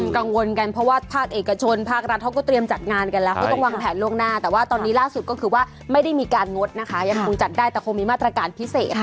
กังวลกันเพราะว่าภาคเอกชนภาครัฐเขาก็เตรียมจัดงานกันแล้วเขาต้องวางแผนล่วงหน้าแต่ว่าตอนนี้ล่าสุดก็คือว่าไม่ได้มีการงดนะคะยังคงจัดได้แต่คงมีมาตรการพิเศษ